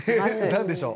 何でしょう。